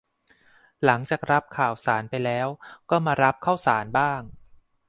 หลังจากรับข่าวสารไปแล้ว ก็มารับข้าวสารบ้าง